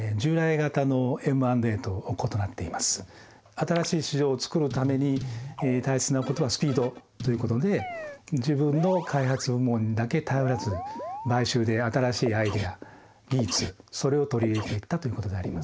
新しい市場を作るために大切なことはスピードということで自分の開発部門にだけに頼らず買収で新しいアイデア技術それを取り入れていったということであります。